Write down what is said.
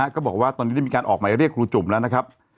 ก็บอกว่าตอนนี้ได้มีการออกหมายเรียกครูจุ่มแล้วนะครับ